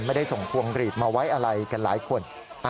ไม่ได้ส่งพวงหลีดมาไว้อะไรกันหลายคน